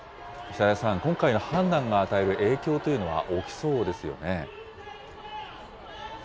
久枝さん、今回の判断が与える影響というのは、大きそうですよね。